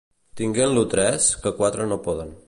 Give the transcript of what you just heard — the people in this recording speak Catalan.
Tinguen-lo tres, que quatre no poden.